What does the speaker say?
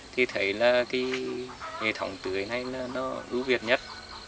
thì thấy là hệ thống tưới này nó ưu việt nhất